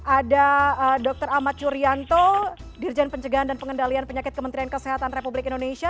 ada dr ahmad curianto dirjen pencegahan dan pengendalian penyakit kementerian kesehatan republik indonesia